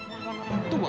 wah anak tua